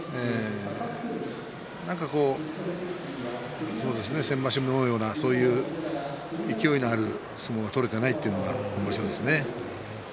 何か、先場所のような勢いのある相撲が取れていないというのが今場所ですね。